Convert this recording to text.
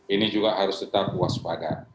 ini juga harus tetap waspada